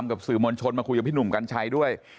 เป็นทางกับสื่อมชนมาคุยกับพี่หนุ่มกันใช้ด้วย